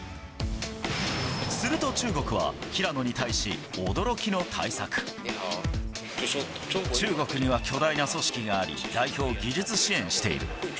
すると中国は、平野に対し驚きの中国には巨大な組織があり、代表を技術支援している。